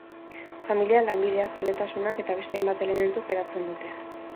Familia, lanbidea, zaletasunak eta beste hainbat elementuk eratzen dute.